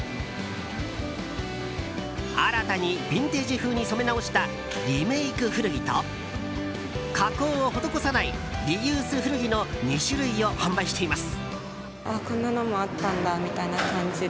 新たにビンテージ風に染め直したリメイク古着と加工を施さないリユース古着の２種類を販売しています。